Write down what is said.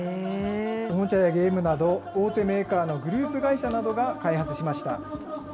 おもちゃやゲームなど、大手メーカーのグループ会社などが開発しました。